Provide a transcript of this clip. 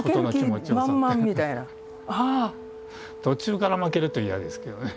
途中から負けると嫌ですけどね。